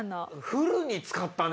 フルに使ったね！